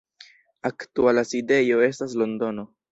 Aktuala sidejo estas Londono.